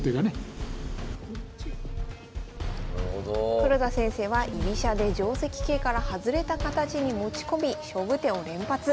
黒田先生は居飛車で定跡形から外れた形に持ち込み勝負手を連発。